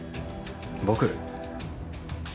僕？